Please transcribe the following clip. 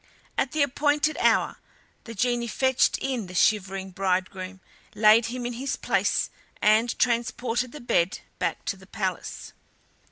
At the appointed hour the genie fetched in the shivering bridegroom, laid him in his place, and transported the bed back to the palace.